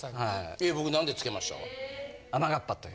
えっ僕何てつけました？